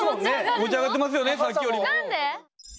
持ち上がってますよねさっきより。